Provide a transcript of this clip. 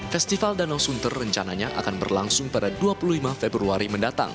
festival danau sunter rencananya akan berlangsung pada dua puluh lima februari mendatang